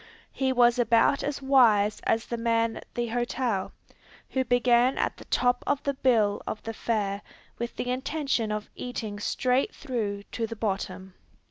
He was about as wise as the man at the hotel, who began at the top of the bill of fare with the intention of eating straight through to the bottom!